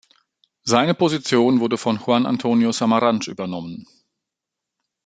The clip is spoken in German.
Seine Position wurde von Juan Antonio Samaranch übernommen.